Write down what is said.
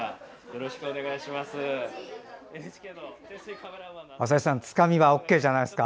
よろしくお願いします。